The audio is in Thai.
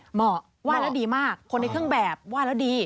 เหมาะว่าแล้วดีมากคนในเครื่องแบบว่าแล้วดี